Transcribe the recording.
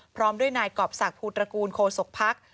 พร้อมด้วยนายกอบสากปูตระกูลโคสกภักร์